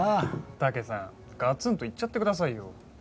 タケさんガツンと言っちゃってくださいよ。